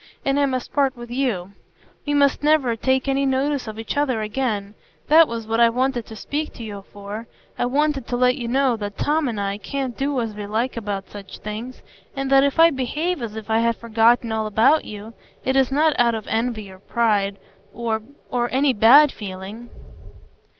And I must part with you; we must never take any notice of each other again. That was what I wanted to speak to you for. I wanted to let you know that Tom and I can't do as we like about such things, and that if I behave as if I had forgotten all about you, it is not out of envy or pride—or—or any bad feeling."